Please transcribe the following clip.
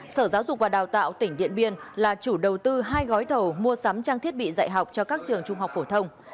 sở giáo dục và đào tạo tỉnh điện biên là chủ đầu tư hai gói thầu mua sắm trang thiết bị dạy học cho các trường trung học phổ thông